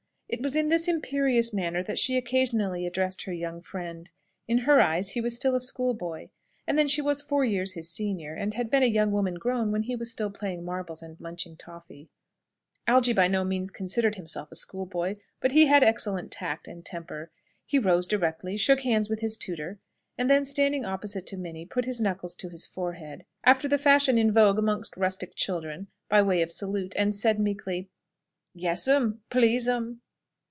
It was in this imperious manner that she occasionally addressed her young friend. In her eyes he was still a school boy. And then she was four years his senior, and had been a young woman grown when he was still playing marbles and munching toffy. Algy by no means considered himself a school boy, but he had excellent tact and temper. He rose directly, shook hands with his tutor, and then standing opposite to Minnie, put his knuckles to his forehead, after the fashion in vogue amongst rustic children by way of salute, and said meekly, "Yes'm, please'm."